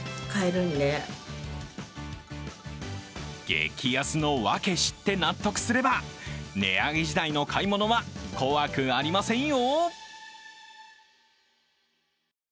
激安のわけ知って納得すれば値上げ時代の買い物は怖くありませんよ。